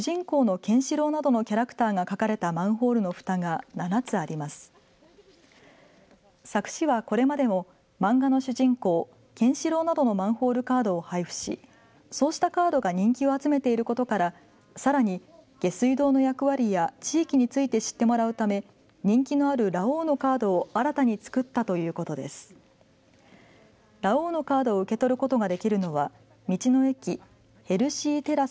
ケンシロウなどのマンホールカードを配布しそうしたカードが人気を集めていることからさらに、下水道の役割や地域について知ってもらうため人気のあるラオウのカードを新たに作ったということです。